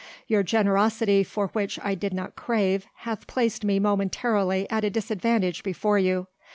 Your generosity for which I did not crave hath placed me momentarily at a disadvantage before you.